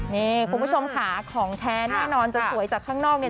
นี่คุณผู้ชมค่ะของแท้แน่นอนจะสวยจากข้างนอกเนี่ย